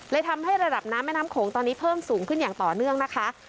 ทำให้ระดับน้ำแม่น้ำโขงตอนนี้เพิ่มสูงขึ้นอย่างต่อเนื่องนะคะ